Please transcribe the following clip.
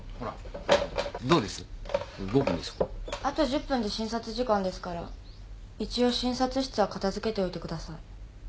あと１０分で診察時間ですから一応診察室は片づけておいてください。